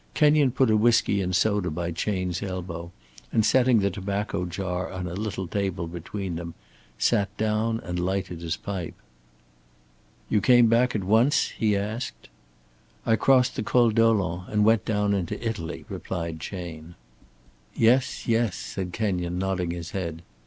Kenyon put a whisky and soda by Chayne's elbow, and setting the tobacco jar on a little table between them, sat down and lighted his pipe. "You came back at once?" he asked. "I crossed the Col Dolent and went down into Italy," replied Chayne. "Yes, yes," said Kenyon, nodding his head.